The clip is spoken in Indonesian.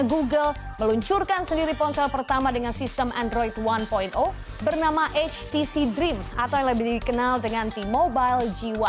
google meluncurkan sendiri ponsel pertama dengan sistem android satu bernama htc dream atau yang lebih dikenal dengan t mobile g satu